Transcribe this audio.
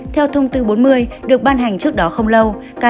theo thông tư bốn mươi được ban hành trước đó không lâu